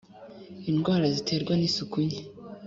indwara ziterwa n isuku nke